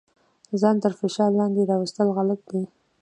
ځان تر ډیر فشار لاندې راوستل غلط دي.